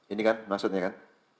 ini kan maksudnya kan